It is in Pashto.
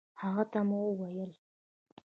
هغه ته مو وويل